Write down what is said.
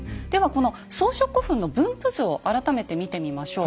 この装飾古墳の分布図を改めて見てみましょう。